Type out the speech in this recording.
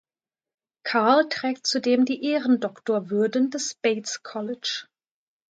Carle trägt zudem die Ehrendoktorwürden des Bates College.